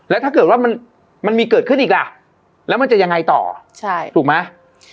แล้วถ้าเกิดว่ามันมีเกิดขึ้นอีกล่ะแล้วมันจะยังไงต่อใช่ถูกไหม